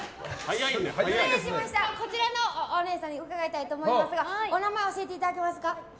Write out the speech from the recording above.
こちらのお姉さんに伺いたいと思いますがお名前教えていただけますか。